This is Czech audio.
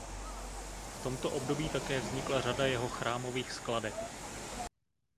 V tomto období také vznikla řada jeho chrámových skladeb.